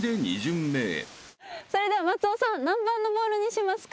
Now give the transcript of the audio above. それでは松尾さん何番のボールにしますか？